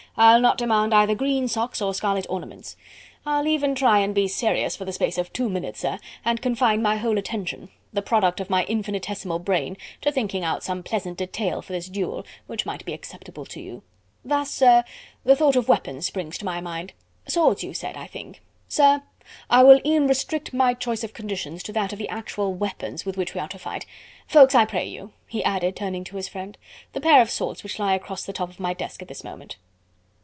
I'll not demand either green socks or scarlet ornaments. I'll even try and be serious for the space of two minutes, sir, and confine my whole attention the product of my infinitesimal brain to thinking out some pleasant detail for this duel, which might be acceptable to you. Thus, sir, the thought of weapons springs to my mind.... Swords you said, I think. Sir! I will e'en restrict my choice of conditions to that of the actual weapons with which we are to fight.... Ffoulkes, I pray you," he added, turning to his friend, "the pair of swords which lie across the top of my desk at this moment....